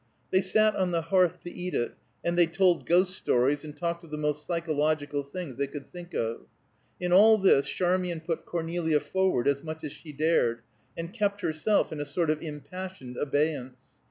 They sat on the hearth to eat it, and they told ghost stories and talked of the most psychological things they could think of. In all this Charmian put Cornelia forward as much as she dared, and kept herself in a sort of impassioned abeyance.